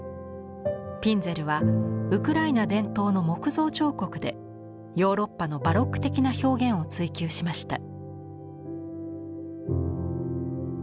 ピンゼルはウクライナ伝統の木造彫刻でヨーロッパのバロック的な表現を追求しました。